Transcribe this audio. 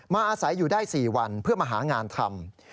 อาศัยอยู่ได้๔วันเพื่อมาหางานทำ